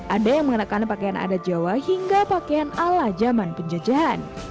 ada yang mengenakan pakaian adat jawa hingga pakaian ala zaman penjajahan